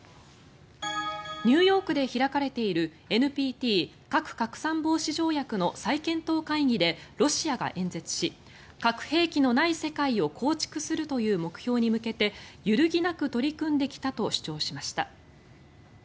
ニューヨークで開かれているＮＰＴ・核拡散防止条約の再検討会議でロシアが演説し核兵器のない世界を構築するという目標に向けて揺るぎなく取り組んできたと主張しました。